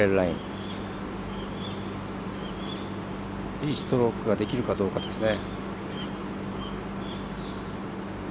いいストロークができるかどうかですね。